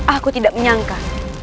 aku tidak menyangka